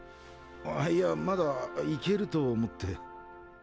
あいやまだイケると思って。